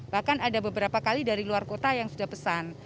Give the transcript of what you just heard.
bahkan ada beberapa kali dari luar kota yang sudah pesan